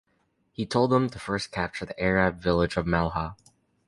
He told them to first capture the Arab village of Malha.